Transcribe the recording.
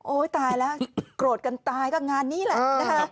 ตายแล้วโกรธกันตายก็งานนี้แหละนะคะ